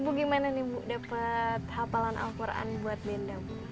ibu gimana nih ibu dapat hafalan al quran buat danda ibu